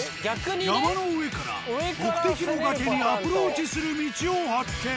山の上から目的の崖にアプローチする道を発見。